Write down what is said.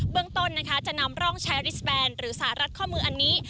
เรื่องต้นนะคะจะนำร่องใช้ริสแบนหรือสารัดข้อมืออันนี้